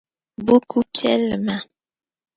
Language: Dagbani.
Buku piɛli maa.